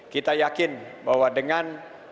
kita yakin bahwa dengan